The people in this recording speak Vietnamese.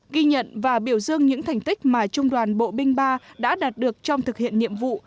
ghi nhận và biểu dương những thành tích mà trung đoàn bộ binh ba đã đạt được trong thực hiện nhiệm vụ